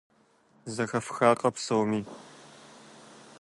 Зэхэфхакъэ псоми?